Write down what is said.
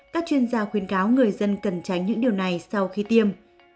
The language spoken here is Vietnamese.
các chuyên gia khuyên cáo người dân cần tránh những điều này sau khi tiêm